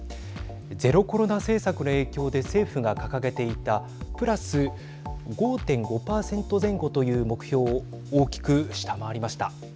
ゼロコロナ政策の影響で政府が掲げていたプラス５．５％前後という目標を大きく下回りました。